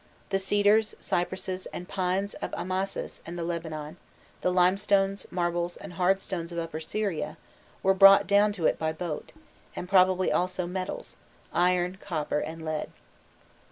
The cedars, cypresses, and pines of Amamis and the Lebanon, the limestones, marbles, and hard stones of Upper Syria, were brought down to it by boat; and probably also metals iron, copper and lead.